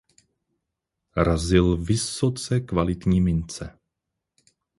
Razil vysoce kvalitní mince.